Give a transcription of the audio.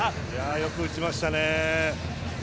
よく打ちましたね。